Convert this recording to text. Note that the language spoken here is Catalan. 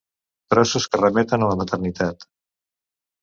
Trossos que remeten a la maternitat.